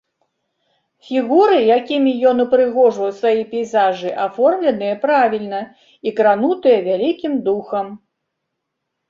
Фігуры, якімі ён упрыгожыў сваі пейзажы, аформленыя правільна, і кранутыя вялікім духам.